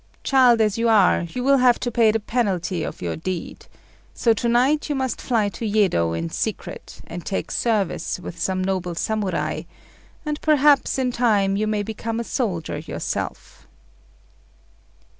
Child as you are, you will have to pay the penalty of your deed; so to night you must fly to Yedo in secret, and take service with some noble Samurai, and perhaps in time you may become a soldier yourself."